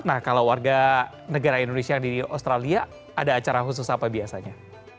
nah kalau warga negara indonesia yang di australia ada acara khusus apa biasanya